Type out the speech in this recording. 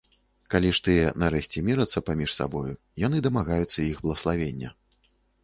Калі ж тыя нарэшце мірацца паміж сабою, яны дамагаюцца іх блаславення.